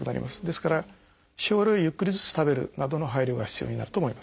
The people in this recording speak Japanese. ですから少量をゆっくりずつ食べるなどの配慮が必要になると思います。